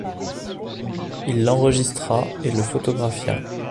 Il l'enregistra et le photographia.